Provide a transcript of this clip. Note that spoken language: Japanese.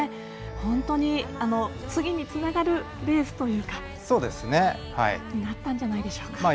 本当に次につながるレースになったんじゃないでしょうか。